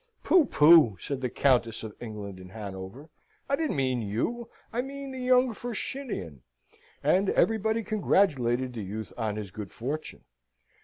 "Pooh! pooh!" said the Countess of England and Hanover, "I don't mean you. I mean the young Firshinian!" And everybody congratulated the youth on his good fortune.